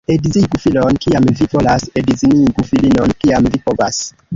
Edzigu filon, kiam vi volas — edzinigu filinon, kiam vi povas.